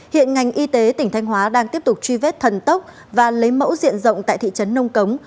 hiện ngành y tế tỉnh thanh hóa đang tiếp tục truy vết thần tốc và lấy mẫu diện rộng tại thị trấn nông cống